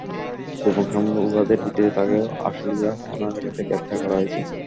গোপন সংবাদের ভিত্তিতেই তাঁকে আশুলিয়া থানা এলাকা থেকে গ্রেপ্তার করা হয়েছে।